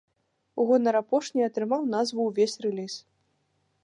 У гонар апошняй атрымаў назву увесь рэліз.